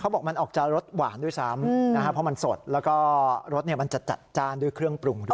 บอกมันออกจากรสหวานด้วยซ้ำนะครับเพราะมันสดแล้วก็รสเนี่ยมันจะจัดจ้านด้วยเครื่องปรุงด้วย